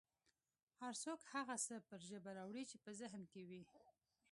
هر څوک هغه څه پر ژبه راوړي چې په ذهن کې یې وي